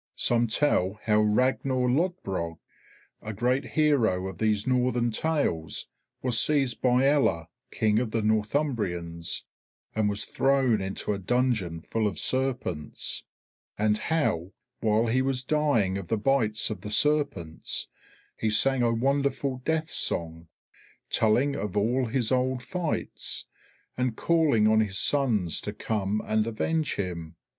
Some tell how Ragnar Lodbrog, a great hero of these Northern tales, was seized by Aella, King of the Northumbrians, and was thrown into a dungeon full of serpents, and how, while he was dying of the bites of the serpents, he sang a wonderful death song, telling of all his old fights, and calling on his sons to come and avenge him.